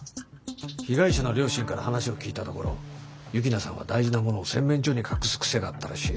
被害者の両親から話を聞いたところ幸那さんは大事なものを洗面所に隠す癖があったらしい。